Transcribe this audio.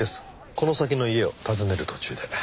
この先の家を訪ねる途中で。